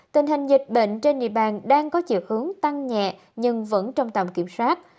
tình hình dịch bệnh trên địa bàn đang có chiều hướng tăng nhẹ nhưng vẫn trong tầm kiểm soát